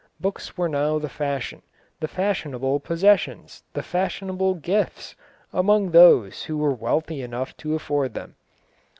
Books were now the fashion, the fashionable possessions, the fashionable gifts, among those who were wealthy enough to afford them.